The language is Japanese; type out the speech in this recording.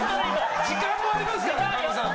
時間もありますからね神田さん。